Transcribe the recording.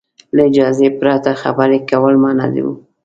له اجازې پرته خبرې کول منع وو.